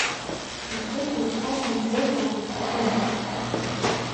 Ихы ширхаз имбозаап иахьакәым!